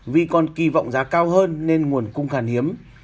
vì còn kỳ vọng giá cao hơn nên nguồn cung khan hiếm